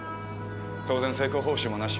当然成功報酬もなし。